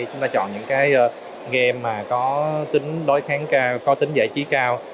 chúng ta chọn những game có tính đối kháng cao có tính giải trí cao